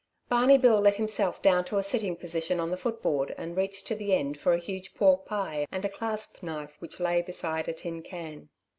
Barney Bill let himself down to a sitting position on the footboard and reached to the end for a huge pork pie and a clasp knife which lay beside a tin can.